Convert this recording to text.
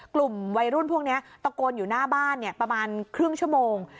กลุ่มวัยรุ่นพวกนี้ตะโกนอยู่หน้าบ้านประมาณครึ่งชั่วโมง